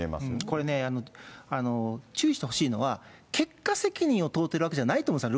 これね、注意してほしいのは、結果責任を問うてるわけじゃないと思うんです。